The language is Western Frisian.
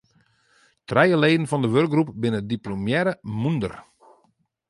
Trije leden fan de wurkgroep binne diplomearre mûnder.